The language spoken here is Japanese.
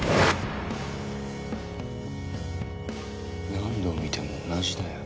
何度見ても同じだよ。